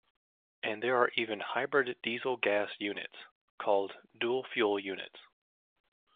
And there are even hybrid diesel-gas units, called dual-fuel units.